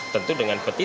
tentu dengan peti